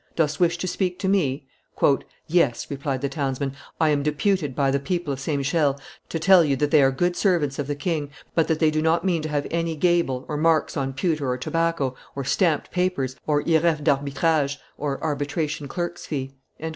Dost wish to speak to me?" "Yes," replied the townsman, "I am deputed by the people of St. Michel to tell you that they are good servants of the king, but that they do not mean to have any gabel, or marks on pewter or tobacco, or stamped papers, or yreffe d'arbitrage (arbitration clerk's fee)."